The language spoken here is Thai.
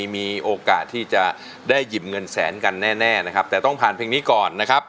มีโอกาสที่จะได้หยิบเงินแสนกันแน่นะครับแต่ต้องผ่านเพลงนี้ก่อนนะครับ